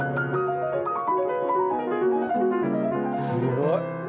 すごい。